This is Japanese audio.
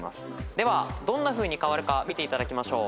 ではどんなふうに変わるか見ていただきましょう。